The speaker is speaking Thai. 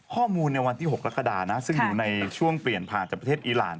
ข้อมูลในวันที่๖กรกฎานะซึ่งอยู่ในช่วงเปลี่ยนผ่านจากประเทศอีราน